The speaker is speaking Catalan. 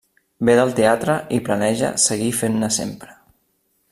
Ve del teatre i planeja seguir fent-ne sempre.